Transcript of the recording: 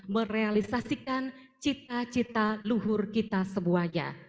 merealisasikan cita cita luhur kita semuanya